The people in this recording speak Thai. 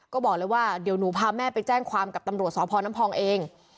ก็บอกเลยว่าเดี๋ยวหนูพาแม่ไปแจ้งความกับตำรวจสพน้ำพองเอง